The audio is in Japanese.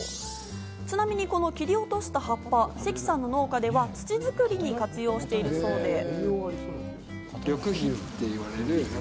ちなみにこの切り落とした葉っぱ、關さんの農家では土づくりに活用しているそうです。